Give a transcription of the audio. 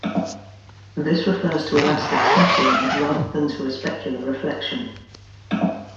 This refers to elastic scattering rather than to a specular reflection.